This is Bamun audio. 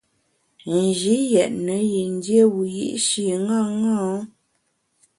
Nji yètne yin dié wiyi’shi ṅaṅâ.